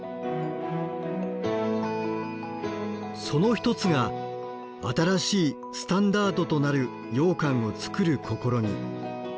その一つが新しいスタンダードとなるようかんを作る試み。